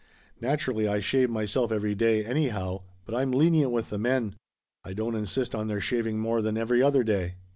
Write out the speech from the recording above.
Naturally, I shave myself every day anyhow, but I'm lenient with the men. I don't insist on their shaving more than every other day."